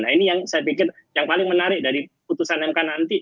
nah ini yang saya pikir yang paling menarik dari putusan mk nanti